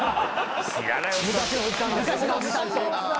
昔のおじさんと。